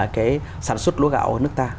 cái sản xuất lúa gạo nước ta